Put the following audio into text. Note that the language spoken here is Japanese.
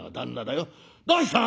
『どうした！？